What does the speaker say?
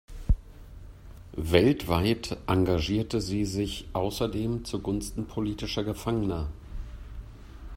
Weltweit engagierte sie sich außerdem zugunsten politischer Gefangener.